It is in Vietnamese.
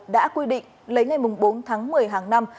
đã quy định lấy ngày bốn tháng một mươi hàng năm